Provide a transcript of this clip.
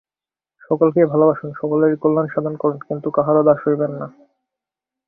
সকলকেই ভালবাসুন, সকলেরই কল্যাণ সাধন করুন, কিন্তু কাহারও দাস হইবেন না।